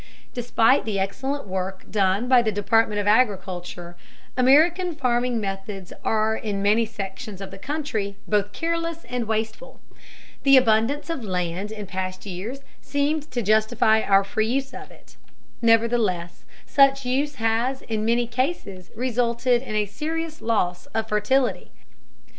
Despite the excellent work done by the Department of Agriculture, American farming methods are in many sections of the country both careless and wasteful. The abundance of land in past years seemed to justify our free use of it, nevertheless such use has in many cases resulted in a serious loss of fertility.